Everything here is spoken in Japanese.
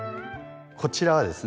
こちらはですね